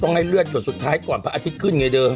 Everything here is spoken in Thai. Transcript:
ต้องให้เลือดจนสุดท้ายก่อนพระอาทิตย์ขึ้นไงเด้ว